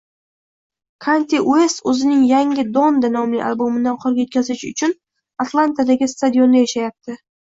Kanye Uest o‘zining yangi Donda nomli albomini oxiriga yetkazish uchun Atlantadagi stadionda yashayapti